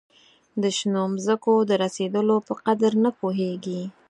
د شنو مځکو د رسېدلو په قدر نه پوهیږي.